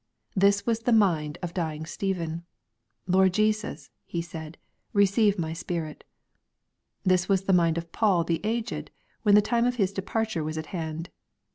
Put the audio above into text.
This was the mind of dying Stephen ; "Lord Jesus," he said, " receive my spirit." This was the mind of Paul the aged, when the time of his departure was at hand.